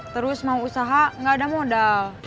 terus mau usaha nggak ada modal